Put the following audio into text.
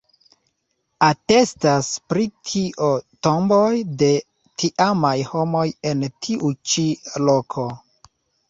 Atestas pri tio tomboj de tiamaj homoj en tiu ĉi loko.